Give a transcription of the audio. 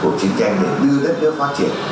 cuộc chiến tranh được đưa đất nước phát triển